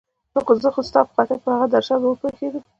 زه خو ستا په خاطر پر هغه درشل ور پېښېدم.